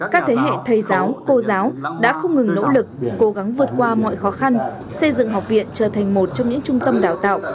các thế hệ thầy giáo cô giáo đã không ngừng nỗ lực cố gắng vượt qua mọi khó khăn xây dựng học viện trở thành một trong những trung tâm đào tạo